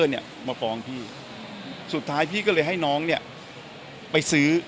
เนี่ยมาฟ้องพี่สุดท้ายพี่ก็เลยให้น้องเนี่ยไปซื้อ